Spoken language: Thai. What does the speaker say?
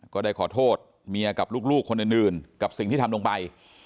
ก็ได้ขอโทษเมียกับลูกคนอื่นกับสิ่งที่ทำลงไป